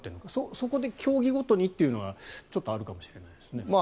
そこで競技ごとにっていうのはちょっとあるかもしれないですね。